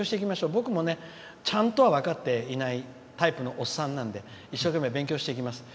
僕もちゃんとは分かっていないタイプのおっさんなんで一生懸命勉強していきます。